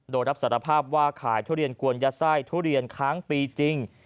โดยรับสารภาพว่าขายทุเรียนกวนยัดไส้ทุเรียนค้างปีจริง